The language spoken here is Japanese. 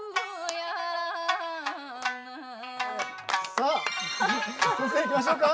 さあ先生いきましょうか。